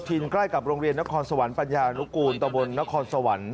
ใกล้กับโรงเรียนนครสวรรค์ปัญญานุกูลตะบนนครสวรรค์